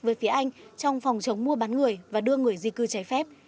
với phía anh trong phòng chống mua bán người và đưa người di cư trái phép